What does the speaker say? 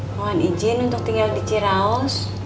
mohon izin untuk tinggal di ciraus